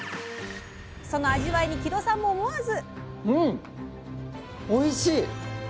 その味わいに木戸さんも思わず。